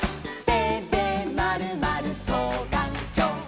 「てでまるまるそうがんきょう」